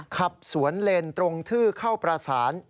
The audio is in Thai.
ครับสวนเรนตรงทือเค้าประสาน